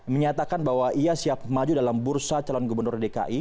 menyatakan bahwa ia siap maju dalam bursa calon gubernur dki